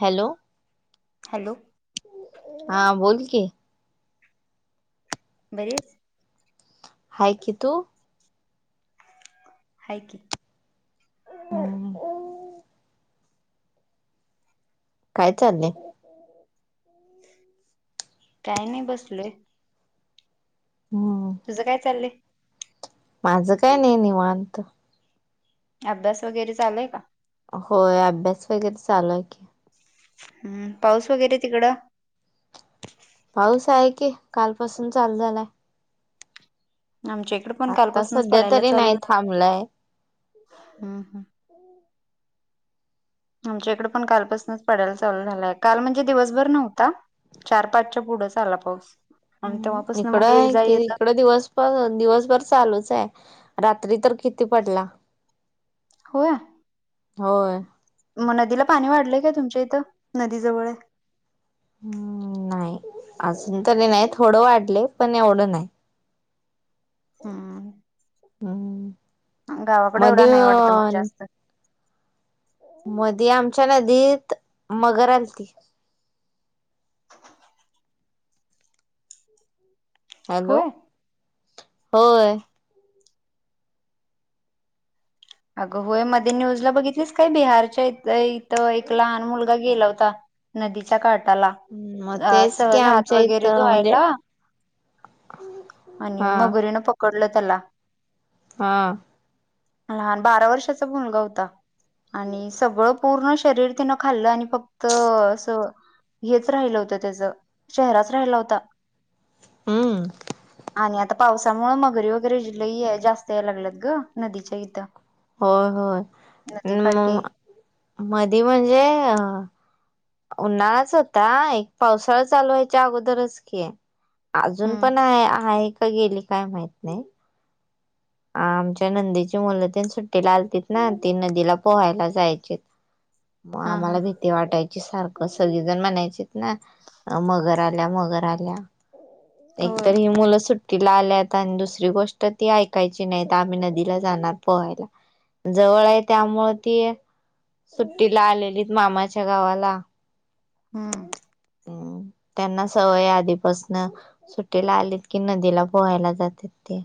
Hello hello हा बोल की बारीयेस हाय कि तू हाय की हम् काय चालय? काय नाही बसलोय. हम्म. तुझं काय चालयं? माझं काय नाही निवांत. अभ्यास वगैरे चालुय का? होय. अभ्यास वगैरे चालु हाय की. हम्म. पाऊस वगैरे तिकडं. पाऊस हाय की, काल पासून चालू झालाय. आमच्या इकड पण आता कालपसनच सध्या पडायला तरी चालू नाही झालाय. थांबलाय हम्, हम्. आमच्या इकड पण कालपसनच पडायला चालू झालाय. काल म्हणजे दिवसभर नव्हता. चार पाचच्या पुढंच आला पाऊस. आणि हम्म. तेव्हापासून इकड मग ये हाय जा कि ये जा इकड दिवस भर दिवसभर चालूच हाय. रात्री तर किती पडला. होय. होय. मग नदीला पाणी वाढलंय काय? तुमच्या इथं नदी जवळायं. हम्म. नाही, अजून तरी नाही. थोडं वाढलयं पण एवढं नाही. हम्म हम्. गावाकडे एवढा मध्ये नाही वाटत मग जास्त मधी, आमच्या नदीत मगर आलती. [inaudible] हॅलो. होय होय. अग होय. मध्ये न्यूजला बघितलीस काय बिहार [unintelligible] इथ इथ एक लहान मुलगा गेला होता नदीच्या काटाला. मग अ तेच की सहज हात आमच्या वगैरे इथं म्हणजे धुवायला. आणि हा मगरीन पकडलं त्याला. हा. लहान बारा वर्षाचा मुलगा होता. आणि सगळं पूर्ण शरीर तेनं खाल्लं आणि फक्त अस - - हेच राहिलं होतं त्याच चेहराच राहिला होता हम्म आणि आता- - पावसामुळे मगरी वगैरे लई जास्त यायलागल्यात ग नदीच्या इथं. होय. होय. नदीकाठी म मधी म्हणजे उन्हाळाच होता. एक पावसाळा चालूवायच्या अगोदरच की. अजून हम्म पण आहे, आहे का गेली काय माहित नाही. आमच्या नंदेची मुलंतेन सुट्टीला आलतीत ना ती नदीला पोहायला जायचीतं. मग हा हा आम्हाला भी - - ती वाटायची सारखं सगळीजण म्हणायचीत ना मगर आल्या मगर आल्या. एकत होय ही मुलं सुट्टीला आल्यात आणि दुसरी गोष्ट ती ऐक कायची नाहीत, आम्ही नदीला जाणार पोहायला जवळ हाय त्यामुळे ती सुट्टीला आलेलीत मामाच्या गावाला. हं. हम्. त्यांना सवय हाय आधीपसन. सुट्टीला आलीत की नदीला पोहायला जात्यात ति.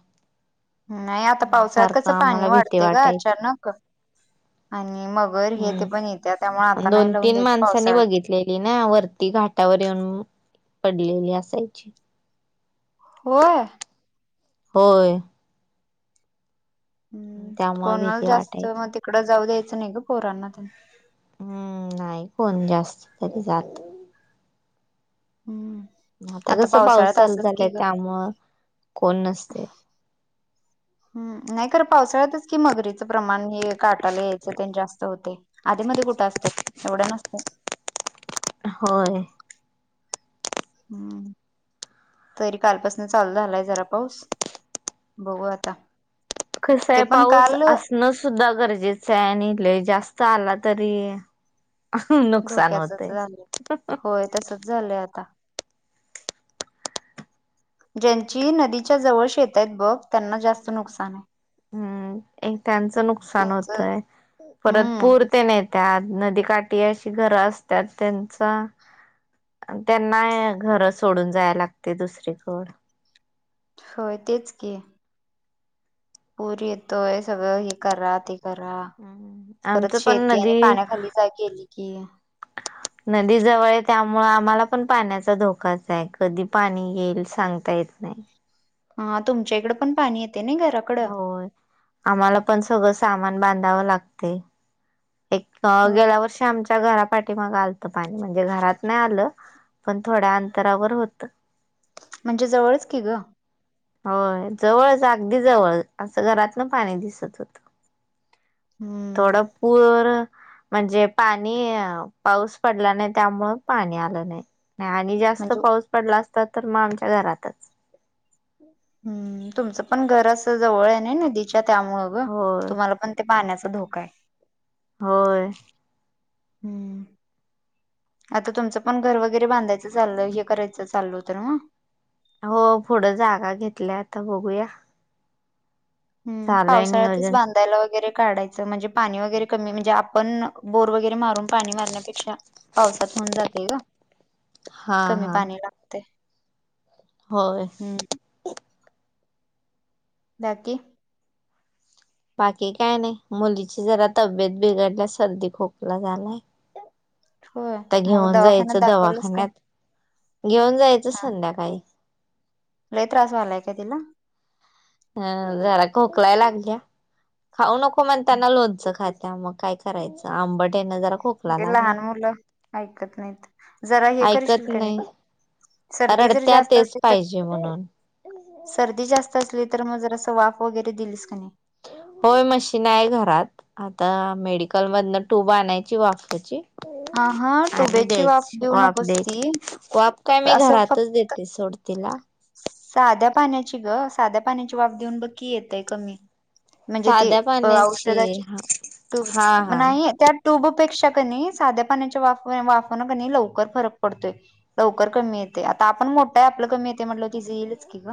नाही आता पावसाळ्यात कसं पाणी आम्हाला भीती वाढतयं ग, वाटायची अचानक. आणि मगर हे ते पण हम्म येत्या. त्यामुळे आता नाही दोन लावून तीन द्यायचं माणसांनी पावसाळ्यात. [unintelligible] ना वरती घाटावर येऊन पडलेली असायची. होय. होय. हम्. त्यामुळे कोणाला भीती जास्त वाटायची मग तिकडं जाऊ द्यायचं नाही ग पोरांना तेन. हम्म. नाही कोण जास्त तरी जात. हम्म आता कसं पाऊस पावसाळ्यात चालू असंच की झालाय ग. त्यामुळ कोण नसतय. हम्, नाही खरं पावसाळ्यातच कि मगरीचं प्रमाण हे काटाला यायचं तेन जास्त होतय आधी मध्ये कुठं असत्यात एवढ्या नसत्यात. होय हम्म तरी कालपासन चालू झालाय जरा पाऊस. बघू आता. कसं ते हाय, पण पाऊस काल असणं सुद्धा गरजेचं हाय आणि लई जास्त आला तरी नुकसान धोक्याचच होतय. झालंय होय तसच झालंय आता ज्यांची नदीच्या जवळ शेत आहेत बघ त्यांना जास्त नुकसान हम्म एक त्याचं नुकसान त्यांच होतय परत हम्म पूर ते नेत्यात, नदीकाठी अशी घरं असतात त्यांच त्यांना घरं सोडून जायाय लागतंय दुसरीकड. होय, तेच की पूर येतोय सगळं हे करा, ते करा, परत आमचं पण शेती आणि नदी पाण्याखाली काय गेली कि नदी जवळ हाय त्यामुळ आम्हाला पण पाण्याचा धोकाच हाय कधी पाणी येईल सांगता येत नाही. हा तुमच्या इकड पण पाणी येतय नी घरात. होय, आम्हाला पण सगळं सामान बांधावं लागतय. एक पाव होय. गेल्या वर्षी आमच्या घरापाठी माग आलत पाणी म्हणजे घरात नाही आलं पण थोड्या अंतरावर होतं. म्हणजे जवळच की ग. होय, जवळच अगदी जवळ असं घरात न पाणी दिसत होतं हम्म थोडा पुर म्हणजे पाणी पाऊस पडला नाही त्यामुळ पाणी आलं नाही. नाही आणि जास्त म्हणजे पाऊस पडला असता तर मग आमच्या घरातच. हम्म, तुमचं पण घर असं जवळ आहे नई नदीच्या त्यामुळ ग होय तुम्हाला पण ते पाण्याचा धोका हाय होय. हम्म. आता तुमचं पण घर वगैरे बांधायचं चाललं हे करायचं चाललं होत नव्ह? हो पुढं जागा घेतल्या आता बघूया. हम्म चालूय पावसाळ्यातच नियोजन बांधायला वगैरे काढाय च म्हणजे पाणी वगैरे कमी म्हणजे आपण बोर वगैरे मारून पाणी मारण्यापेक्षा पावसात होऊन जातय गं हा कमी हा पाणी लागतय. होय. हम्म. बाकी? बाकी काय नाही मुलीची जरा तब्येत बिघडल्याय सर्दी, खोकला झालाय. [inaudible] आता मग घेऊन दवाखान्यात जायचं दाखवलंच काय दवाखान्यात, घेऊन जायचं हा संध्याकाळी. लय त्रास व्हायलाय का तिला? अ जरा खोकलाय लागल्या, खाऊ नको म्हणताना लोणचं खाय त्या मग काय करायचं आंबट्या ह्यान जरा खो म्हणजे लहान मुलं ऐकत नाहीत जरा हे करशील ऐकत कणी नाही सर्दी जर रडत्या जास्त तेच असेल तर पाहिजे म्हणून सर्दी जास्त असली तर मग जरास वाफ वगैरे दिलीस का नाही? होय मशीन आहे घरात आता मेडिकल मधनं टूब आणायची वाफेची. आंहां टुबेची वाफ देऊ नकोस ती, वाफ काय मी असं घरातच फक्त देते सोड तीला. साध्या पाण्याची ग साध्या पाण्याची वाफ देऊन बघकी येतय कमी. म्हणजे ते साध्या अं पाण्याची औषधाचे हा हा ट्युब हा नाही त्या ट्यूबपेक्षा कनई साध्या पाण्याच्या वाफ वाफनी कनई लवकर फरक पडतोय. लवकर कमी येतेय आता आपण मोठं आहे आपलं कमी येतेय म्हटल्यावर तिचं येईलच की ग.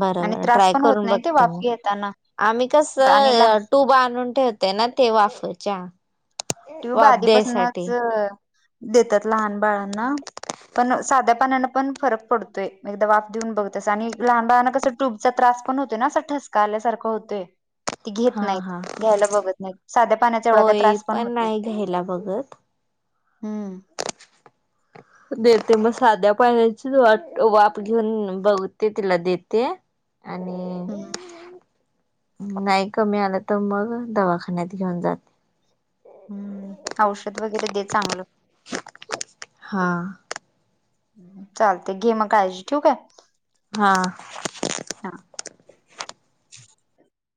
बर आणि बर त्रास ट्राय पण होत करून नाही ते बघते वाफ मग घेताना आम्ही कस आणि लहान ट्युब आणुन ठेवते ना ते वाफूच्या. ट्यूब आधीपासनच देतात लहान बाळांना. पण साध्या पानान पण फरक पडतोय एकदा वाफ देऊन बघतस आणि लहान बाळाना कस ट्यूबचा त्रास पण होते ना असं ठसका आल्यासारखं होतय. ती घेत हा नाहीत, हा घ्यायला बघत नाही, साध्या पाण्याचा एवढा काय त्रास पण होत नाही घ्यायला बघत. हम्म. देते मग साध्या पाण्याची वाट वाफ घेऊन बघते तिला देते आणि हम्म नाही कमी आलं तर मग दवाखान्यात घेऊन जाते. हम्म औषध वगैरे दे चांगलं. हां. चालतय घे मग काळजी ठिवकाय. हां. हा